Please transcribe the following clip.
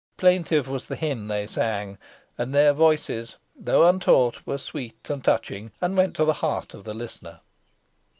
Plaintive was the hymn they sang, and their voices, though untaught, were sweet and touching, and went to the heart of the listener.